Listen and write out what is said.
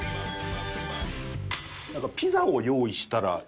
なんかピザを用意したら。